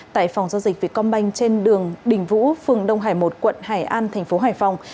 tại phòng giao dịch về con bánh trên đường đình vũ phường đông hải một quận hải an thành phố hải phòng